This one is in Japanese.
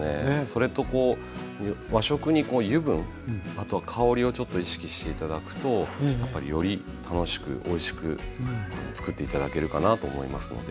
それとこう和食に油分あとは香りをちょっと意識して頂くとやっぱりより楽しくおいしく作って頂けるかなと思いますので。